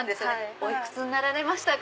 おいくつになられましたか？